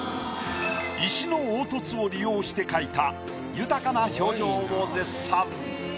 石の凹凸を利用して描いた豊かな表情を絶賛。